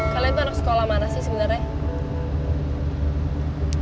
kalian tuh anak sekolah mana sih sebenernya